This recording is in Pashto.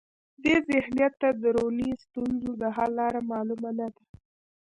دې ذهنیت ته د دروني ستونزو د حل لاره معلومه نه ده.